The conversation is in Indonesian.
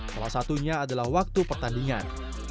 salah satunya adalah waktu pertandingan